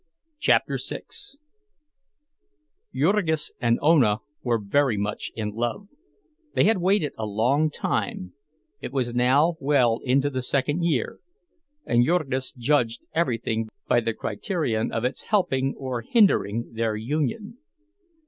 CHAPTER VI Jurgis and Ona were very much in love; they had waited a long time—it was now well into the second year, and Jurgis judged everything by the criterion of its helping or hindering their union.